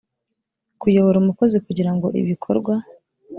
kuyobora umukozi kugira ngo ibikorwa